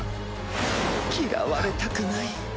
嫌われたくない。